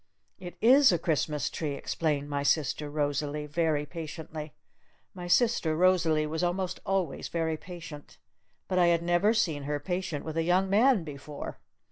"It is a Christmas tree," explained my sister Rosalee very patiently. My sister Rosalee was almost always very patient. But I had never seen her patient with a young man before.